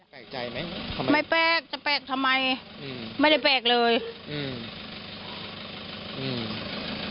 แปลกใจไหมทำไมไม่แปลกจะแปลกทำไมอืมไม่ได้แปลกเลยอืมอืม